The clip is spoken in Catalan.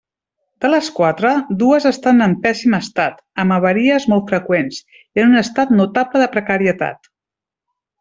De les quatre, dues estan en pèssim estat, amb avaries molt freqüents i en un estat notable de precarietat.